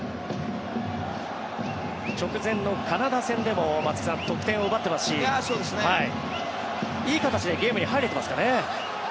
直前のカナダ戦でも松木さん、得点を奪っていますしいい形でゲームに入れていますかね。